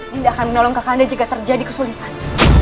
binda akan menolong kakanda jika terjadi kesulitan